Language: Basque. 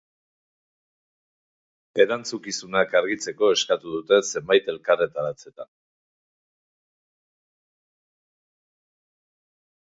Erantzukizunak argitzeko eskatu dute zenbait elkarretaratzetan.